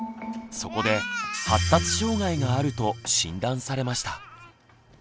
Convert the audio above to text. そこで発達障害があると診断されました。